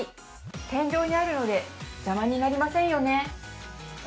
天井にあるので邪魔になりませんよね。